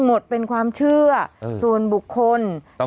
ฮ่าฮ่า